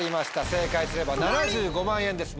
正解すれば７５万円です